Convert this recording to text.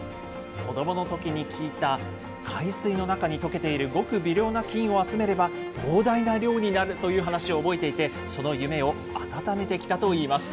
子どものときに聞いた、海水の中に溶けているごく微量な金を集めれば、膨大な量になるという話を覚えていて、その夢を温めてきたといいます。